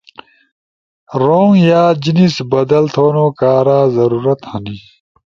رونگ یا جنس بدل تھونو کارا ضرورت ہنی؟